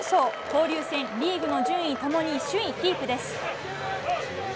交流戦リーグの順位ともに首位キープです。